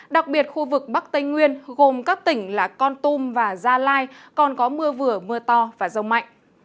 đặc biệt khu vực bắc tây nguyên gồm các tỉnh là con tum và gia lai còn có mưa vừa mưa to và rông mạnh